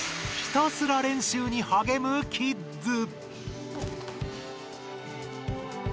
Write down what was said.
ひたすら練習にはげむキッズ。